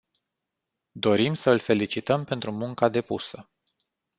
Dorim să îl felicităm pentru munca depusă.